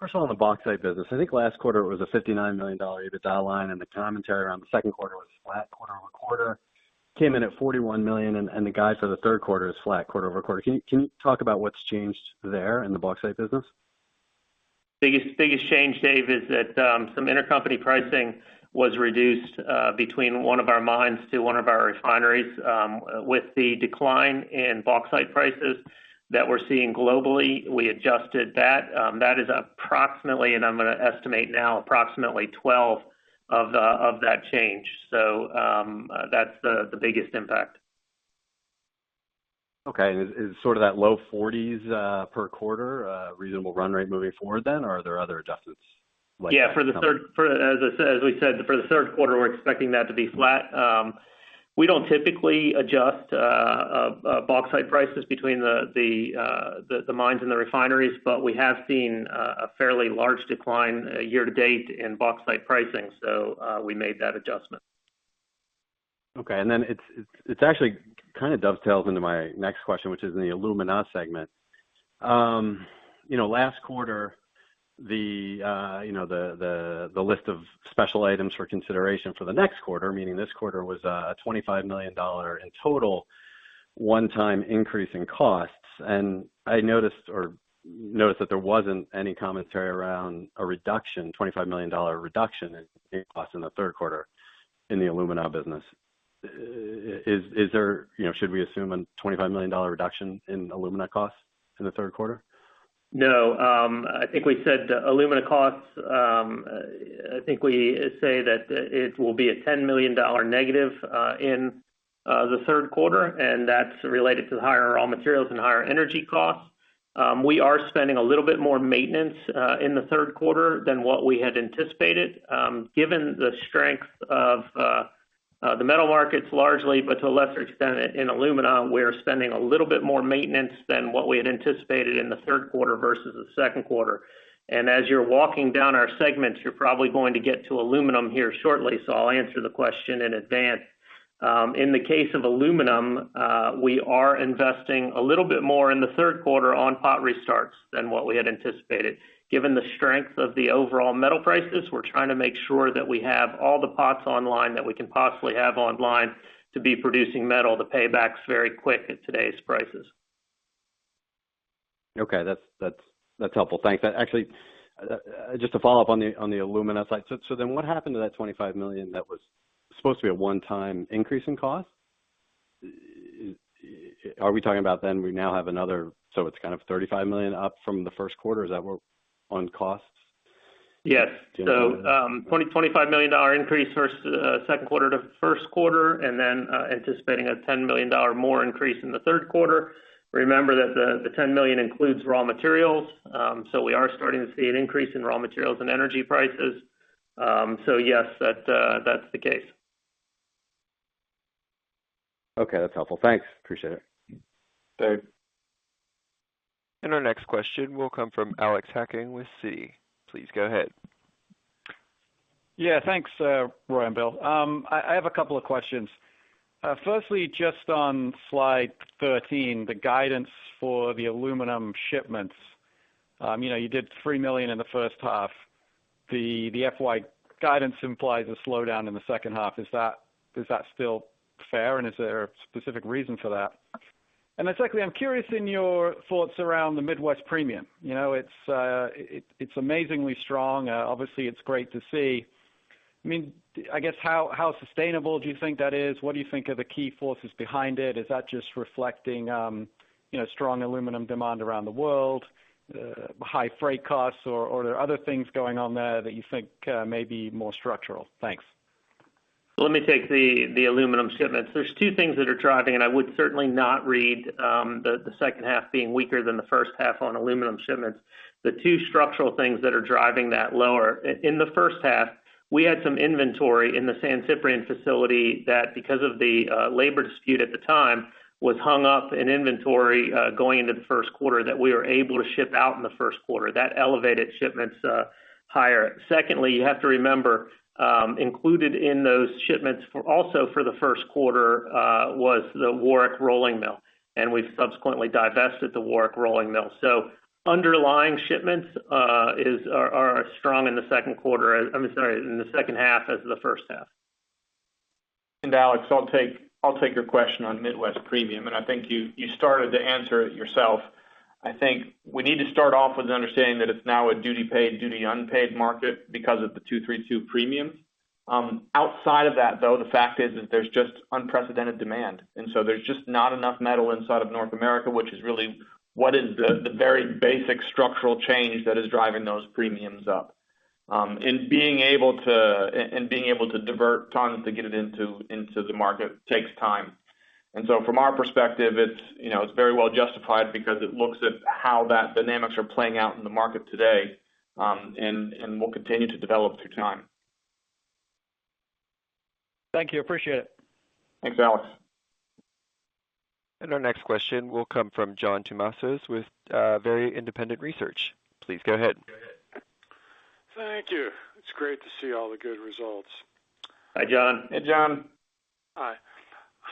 First of all, on the bauxite business, I think last quarter it was a $59 million EBITDA line, and the commentary around the Q2 was flat quarter-over-quarter, came in at $41 million, and the guide for the Q3 is flat quarter-over-quarter. Can you talk about what's changed there in the bauxite business? Biggest change, David, is that some intercompany pricing was reduced between one of our mines to one of our refineries. With the decline in bauxite prices that we're seeing globally, we adjusted that. That is approximately, and I'm going to estimate now, approximately 12 of that change. That's the biggest impact. Okay. Is sort of that low 40s per quarter a reasonable run rate moving forward then, or are there other adjustments? Yeah, as we said, for the Q3, we're expecting that to be flat. We don't typically adjust bauxite prices between the mines and the refineries, but we have seen a fairly large decline year-to-date in bauxite pricing. We made that adjustment. Okay. It actually kind of dovetails into my next question, which is in the alumina segment. Last quarter, the list of special items for consideration for the next quarter, meaning this quarter, was a $25 million in total one-time increase in costs. I noticed that there wasn't any commentary around a $25 million reduction in costs in the Q3 in the alumina business. Should we assume a $25 million reduction in alumina costs in the Q3? No. I think we said alumina costs, I think we say that it will be a $10 million negative in the Q3, and that's related to the higher raw materials and higher energy costs. We are spending a little bit more maintenance in the Q3 than what we had anticipated. Given the strength of the metal markets largely, but to a lesser extent in alumina, we're spending a little bit more maintenance than what we had anticipated in the Q3 versus the Q2. As you're walking down our segments, you're probably going to get to aluminum here shortly, so I'll answer the question in advance. In the case of aluminum, we are investing a little bit more in the Q3 on pot restarts than what we had anticipated. Given the strength of the overall metal prices, we're trying to make sure that we have all the pots online that we can possibly have online to be producing metal. The payback's very quick at today's prices. Okay. That's helpful. Thanks. Actually, just to follow up on the alumina side, so then what happened to that $25 million that was supposed to be a one-time increase in cost? Are we talking about then we now have another, so it's kind of $35 million up from the Q1 on costs? Yes. $25 million increase Q2 to Q1, and then anticipating a $10 million more increase in the Q3. Remember that the $10 million includes raw materials. We are starting to see an increase in raw materials and energy prices. Yes, that's the case. Okay, that's helpful. Thanks. Appreciate it. Dave. Our next question will come from Alex Hacking with Citi. Please go ahead. Yeah, thanks, Roy and Bill. I have a couple of questions. Firstly, just on Slide 13, the guidance for the aluminum shipments. You did $3 million in the H1. The FY guidance implies a slowdown in the H2. Is that still fair, and is there a specific reason for that? Secondly, I'm curious in your thoughts around the Midwest premium. It's amazingly strong. Obviously, it's great to see. I guess, how sustainable do you think that is? What do you think are the key forces behind it? Is that just reflecting strong aluminum demand around the world, high freight costs, or are there other things going on there that you think may be more structural? Thanks. Let me take the aluminum shipments. There are two things that are driving, and I would certainly not read the H2 being weaker than the H1 on aluminum shipments. The two structural things that are driving that lower. In the H1, we had some inventory in the San Ciprián facility that, because of the labor dispute at the time, was hung up in inventory going into the Q1 that we were able to ship out in the Q1. That elevated shipments higher. Secondly, you have to remember, included in those shipments also for the Q1, was the Warrick Rolling Mill, and we've subsequently divested the Warrick Rolling Mill. Underlying shipments are as strong in the H2 as the H1. Alex, I'll take your question on Midwest premium, and I think you started to answer it yourself. We need to start off with the understanding that it's now a duty paid, duty unpaid market because of the 232 premium. The fact is that there's just unprecedented demand, and so there's just not enough metal inside of North America, which is really what is the very basic structural change that is driving those premiums up. Being able to divert tons to get it into the market takes time. From our perspective, it's very well justified because it looks at how that dynamics are playing out in the market today, and will continue to develop through time. Thank you. Appreciate it. Thanks, Alex. Our next question will come from John Tumazos with Very Independent Research. Please go ahead. Thank you. It is great to see all the good results. Hi, John. Hey, John. Hi.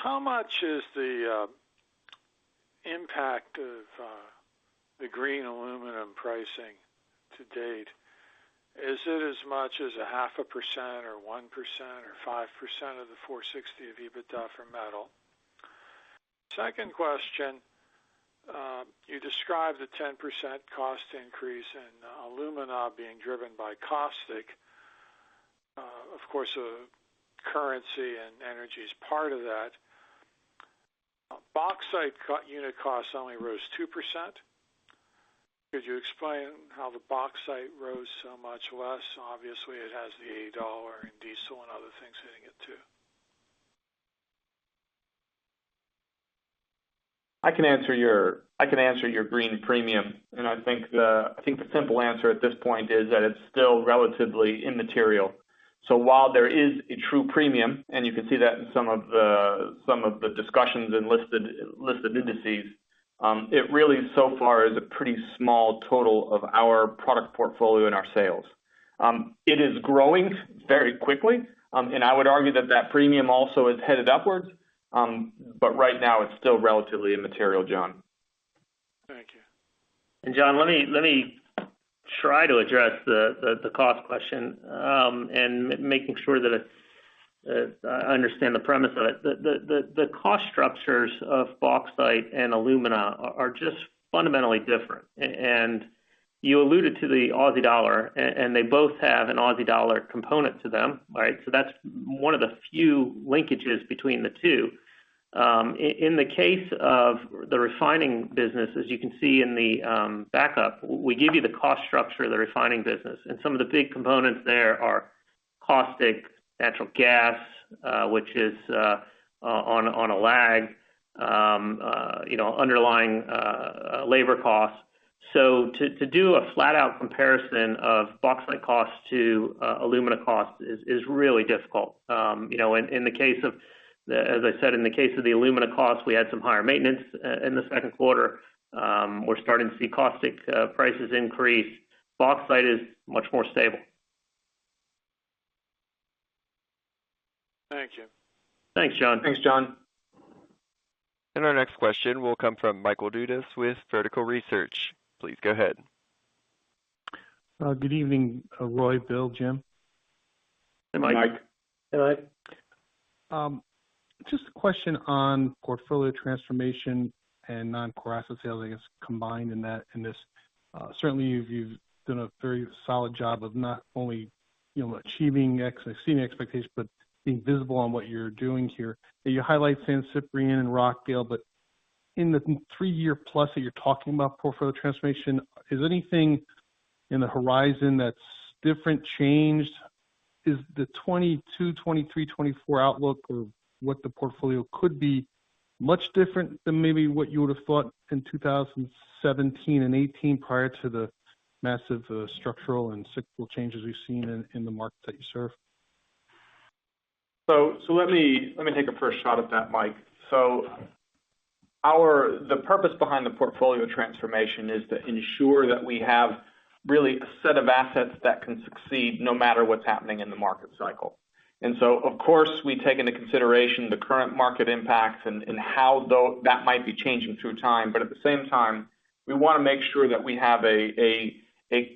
How much is the impact of the green aluminum pricing to date? Is it as much as 0.5% or 1% or 5% of the $460 of EBITDA for metal? Second question, you described the 10% cost increase in alumina being driven by caustic. Of course, currency and energy is part of that. Bauxite unit costs only rose 2%. Could you explain how the bauxite rose so much less? Obviously, it has the Aussie dollar and diesel and other things hitting it too. I can answer your green premium, and I think the simple answer at this point is that it's still relatively immaterial. While there is a true premium, and you can see that in some of the discussions in listed indices, it really so far is a pretty small total of our product portfolio and our sales. It is growing very quickly, and I would argue that that premium also is headed upwards. Right now, it's still relatively immaterial, John. Thank you. John, let me try to address the cost question, and making sure that I understand the premise of it. The cost structures of bauxite and alumina are just fundamentally different. You alluded to the Aussie dollar, and they both have an Aussie dollar component to them, right? That's one of the few linkages between the two. In the case of the refining business, as you can see in the backup, we give you the cost structure of the refining business. Some of the big components there are caustic natural gas, which is on a lag, underlying labor costs. To do a flat-out comparison of bauxite costs to alumina costs is really difficult. As I said, in the case of the alumina costs, we had some higher maintenance in the Q2. We're starting to see caustic prices increase. Bauxite is much more stable. Thank you. Thanks, John. Thanks, John. Our next question will come from Michael Dudas with Vertical Research. Please go ahead. Good evening, Roy, Bill, Jim. Hey, Mike. Hey, Mike. Just a question on portfolio transformation and non-core asset sales, I guess, combined in this. Certainly, you've done a very solid job of not only exceeding expectations, but being visible on what you're doing here. You highlight San Ciprián and Rockdale, but in the three-year plus that you're talking about portfolio transformation, is anything in the horizon that's different, changed? Is the 2022, 2023, 2024 outlook or what the portfolio could be much different than maybe what you would have thought in 2017 and 2018 prior to the massive structural and cyclical changes we've seen in the market that you serve? Let me take a first shot at that, Mike. The purpose behind the portfolio transformation is to ensure that we have really a set of assets that can succeed no matter what's happening in the market cycle. Of course, we take into consideration the current market impacts and how that might be changing through time. At the same time, we want to make sure that we have a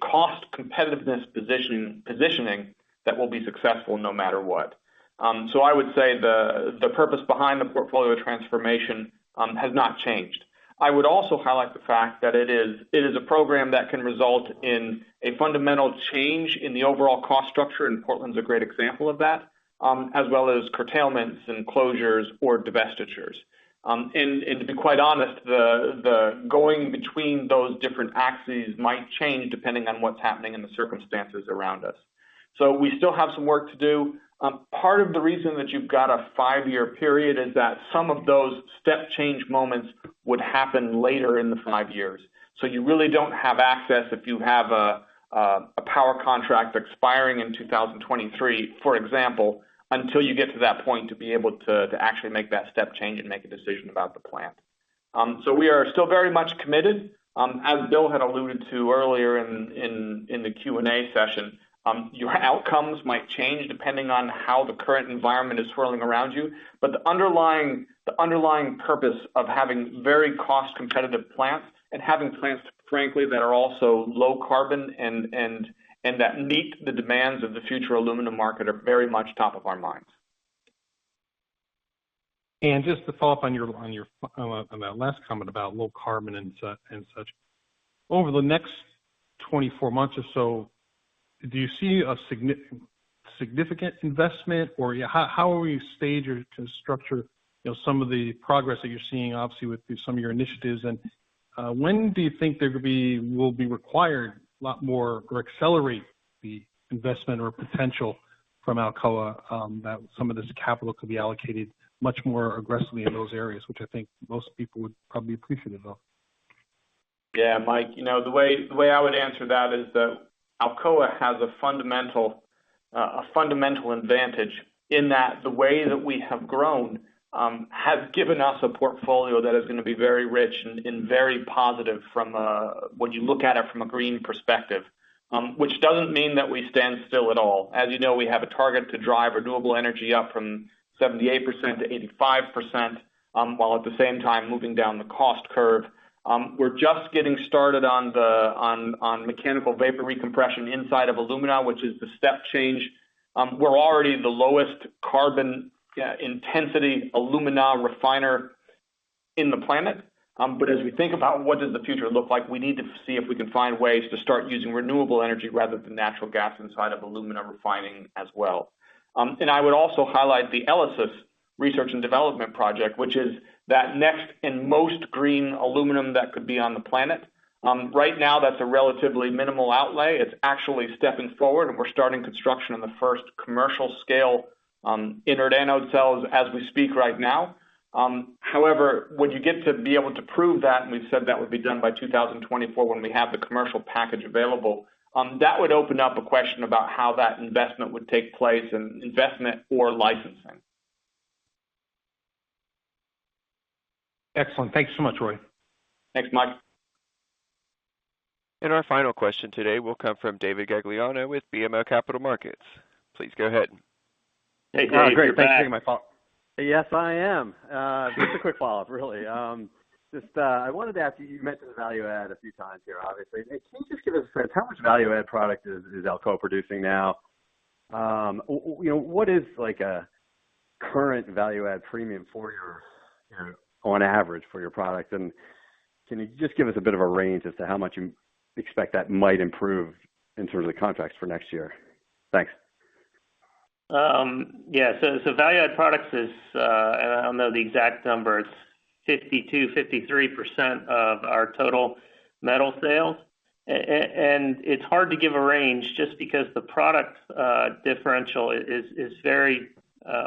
cost competitiveness positioning that will be successful no matter what. I would say the purpose behind the portfolio transformation has not changed. I would also highlight the fact that it is a program that can result in a fundamental change in the overall cost structure, and Portland's a great example of that, as well as curtailments and closures or divestitures. To be quite honest, the going between those different axes might change depending on what's happening in the circumstances around us. We still have some work to do. Part of the reason that you've got a five-year period is that some of those step change moments would happen later in the five years. You really don't have access if you have a power contract expiring in 2023, for example, until you get to that point to be able to actually make that step change and make a decision about the plant. We are still very much committed. As Bill had alluded to earlier in the Q&A session, your outcomes might change depending on how the current environment is swirling around you. The underlying purpose of having very cost-competitive plants and having plants, frankly, that are also low carbon and that meet the demands of the future aluminum market are very much top of our minds. Just to follow up on that last comment about low carbon and such, over the next 24 months or so, do you see a significant investment, or how will you stage or structure some of the progress that you're seeing, obviously, with some of your initiatives, and when do you think there will be required a lot more to accelerate the investment or potential from Alcoa, that some of this capital could be allocated much more aggressively in those areas, which I think most people would probably be appreciative of? Yeah, Mike, the way I would answer that is that Alcoa has a fundamental advantage in that the way that we have grown has given us a portfolio that is going to be very rich and very positive when you look at it from a green perspective, which doesn't mean that we stand still at all. As you know, we have a target to drive renewable energy up from 78% to 85%, while at the same time moving down the cost curve. We're just getting started on mechanical vapor recompression inside of alumina, which is the step change. We're already the lowest carbon intensity alumina refiner in the planet. As we think about what does the future look like, we need to see if we can find ways to start using renewable energy rather than natural gas inside of alumina refining as well. I would also highlight the ELYSIS research and development project, which is that next and most green aluminum that could be on the planet. Right now, that's a relatively minimal outlay. It's actually stepping forward, and we're starting construction on the first commercial scale inert anode cells as we speak right now. Would you get to be able to prove that, and we've said that would be done by 2024, when we have the commercial package available. That would open up a question about how that investment would take place, investment or licensing. Excellent. Thank you so much, Roy. Thanks, Mike. Our final question today will come from David Gagliano with BMO Capital Markets. Please go ahead. Hey, Dave. Great, you're back. Yes, I am. Just a quick follow-up, really. I wanted to ask you mentioned value-add a few times here, obviously. Can you just give us a sense how much value-add product is Alcoa producing now? What is a current value-add premium on average for your product, and can you just give us a bit of a range as to how much you expect that might improve in terms of the contracts for next year? Thanks. Yeah. Value-add products is, I don't know the exact number, it's 52%-53% of our total metal sales. It's hard to give a range just because the product differential is very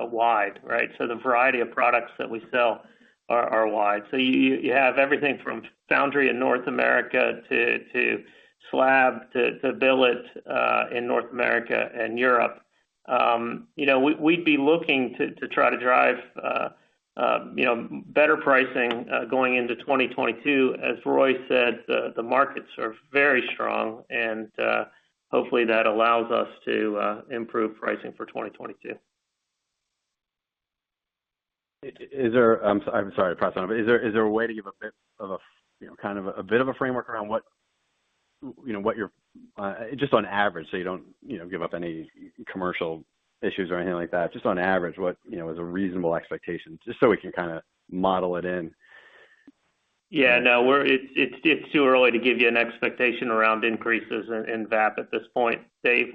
wide, right? The variety of products that we sell are wide. You have everything from foundry in North America to slab to billet in North America and Europe. We'd be looking to try to drive better pricing going into 2022. As Roy said, the markets are very strong, and hopefully, that allows us to improve pricing for 2022. I'm sorry to press on, is there a way to give a bit of a framework around what you're, just on average, so you don't give up any commercial issues or anything like that, just on average, what is a reasonable expectation? Just so we can kind of model it in. Yeah, no, it's too early to give you an expectation around increases in VAP at this point, Dave.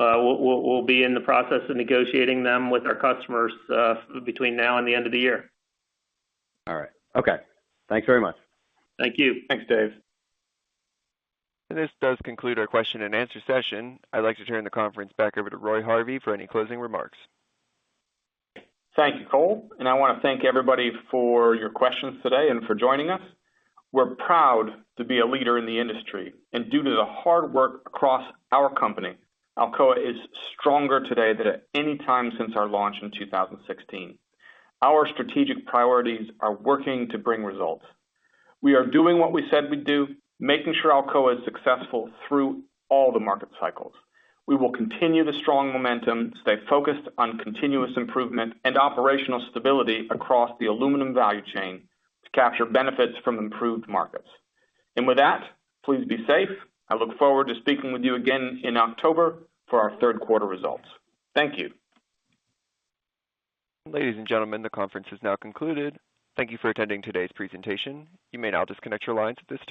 We'll be in the process of negotiating them with our customers between now and the end of the year. All right. Okay. Thanks very much. Thank you. Thanks, Dave. This does conclude our Q&A session. I'd like to turn the conference back over to Roy Harvey for any closing remarks. Thank you, Cole, and I want to thank everybody for your questions today and for joining us. We're proud to be a leader in the industry, and due to the hard work across our company, Alcoa is stronger today than at any time since our launch in 2016. Our strategic priorities are working to bring results. We are doing what we said we'd do, making sure Alcoa is successful through all the market cycles. We will continue the strong momentum, stay focused on continuous improvement and operational stability across the aluminum value chain to capture benefits from improved markets. With that, please be safe. I look forward to speaking with you again in October for our third-quarter results. Thank you. Ladies and gentlemen, the conference is now concluded. Thank you for attending today's presentation. You may now disconnect your lines at this time.